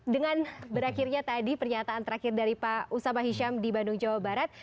dengan berakhirnya tadi pernyataan terakhir dari pak usabah hisyam di bandung jawa barat